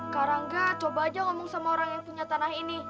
karangga coba aja ngomong sama orang yang punya tanah ini